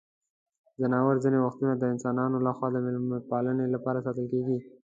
ځناور ځینې وختونه د انسانانو لخوا د مېلمه پالنې لپاره ساتل کیږي.